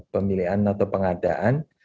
pemilihan atau pengadaan